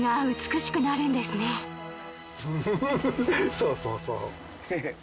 そうそうそう。